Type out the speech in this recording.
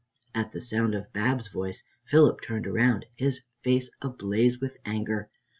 At the sound of Bab's voice, Philip turned round, his face ablaze with anger.